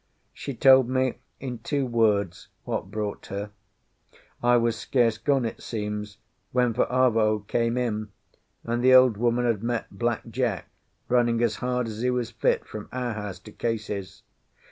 She told me in two words what brought her. I was scarce gone, it seems, when Fa'avao came in, and the old woman had met Black Jack running as hard as he was fit from our house to Case's.